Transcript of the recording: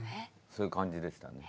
そういう感じでしたね。